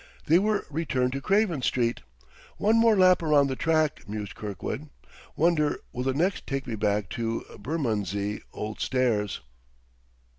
They were returned to Craven Street! "One more lap round the track!" mused Kirkwood. "Wonder will the next take me back to Bermondsey Old Stairs."